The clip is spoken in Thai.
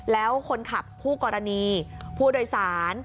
แล้วคนขับคู่กรณีผู้โดยสาร